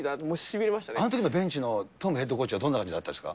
あのときのベンチのトムヘッドコーチはどんな感じだったですか。